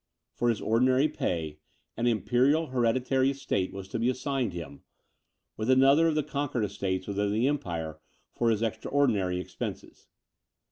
For his ordinary pay, an imperial hereditary estate was to be assigned him, with another of the conquered estates within the empire for his extraordinary expenses.